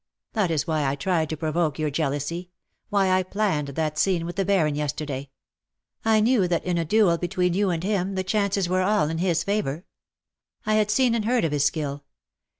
That is why I tried to provoke your jealousy — why I planned that scene with the Baron yester day. I knew that in a duel between you and him the chances were all in his favour. I had seen and heard of his skill.